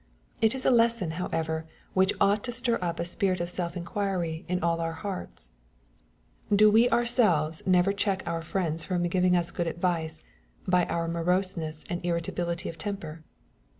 It is a lesson, however, which ought to stir up a spirit of self inquiry in all our 64 SXPOSITORT THOUOHTa hearts. Do we ourselves never check our friends from giving us good advice, by our moroseness and irritability of temper